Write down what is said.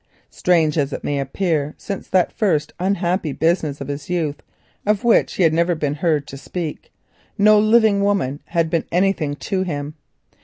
Strange as it may appear, since that first unhappy business of his youth, of which he had never been heard to speak, no living woman had been anything to him.